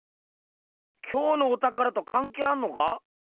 今日のおたからとかんけいあんのか？